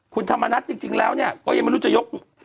คุณธรรมนัฐจริงแล้วเนี่ยก็ยังไม่รู้จะยก